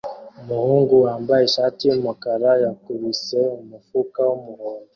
Umuhungu wambaye ishati yumukara yakubise umufuka wumuhondo